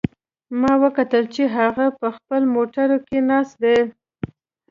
ما وکتل چې هغه په خپل موټر کې ناست ده